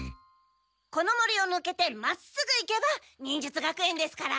この森をぬけてまっすぐ行けば忍術学園ですから。